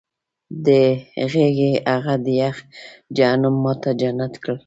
دې غېږې هغه د یخ جهنم ما ته جنت کړ